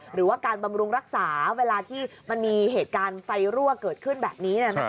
หรือว่าการบำรุงรักษาเวลาที่มันมีเหตุการณ์ไฟรั่วเกิดขึ้นแบบนี้